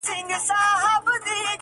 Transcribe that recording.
د نښتر وني جنډۍ سوې د قبرونو-